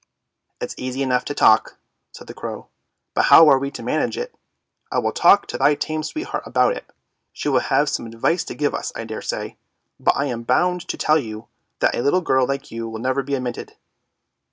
"" It's easy enough to talk," said the crow; " but how are we to manage it ? I will talk to my tame sweetheart about it ; she will have some advice to give us I daresay, but I am bound to tell you that a little girl like you will never be admitted